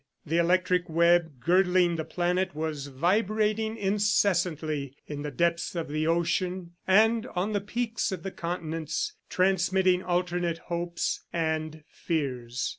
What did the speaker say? The electric web girdling the planet was vibrating incessantly in the depths of the ocean and on the peaks of the continents, transmitting alternate hopes and fears.